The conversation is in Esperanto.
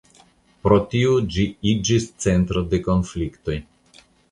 Pro tio ĝi iĝis centro de konfliktoj.